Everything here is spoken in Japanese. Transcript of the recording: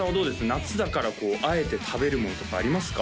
夏だからこうあえて食べるものとかありますか？